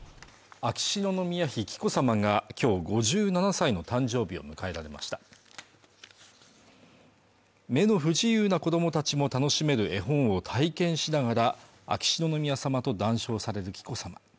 秋篠宮妃・紀子さまが今日５７歳の誕生日を迎えられました目の不自由な子どもたちも楽しめる絵本を体験しながら秋篠宮さまと談笑される紀子さま